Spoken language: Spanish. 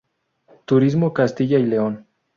Turismo Castilla y León